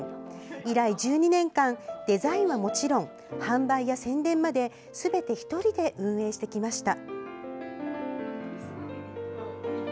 以来１２年間デザインはもちろん販売や宣伝まですべて１人で運営してきました。